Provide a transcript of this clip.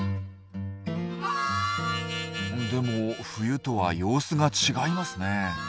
でも冬とは様子が違いますね。